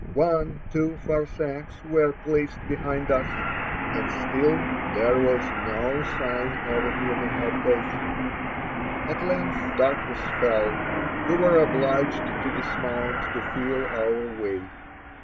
One, two farsaks were placed behind us, and still there was no sign of a human habitation. At length darkness fell; we were obliged to dismount to feel our way.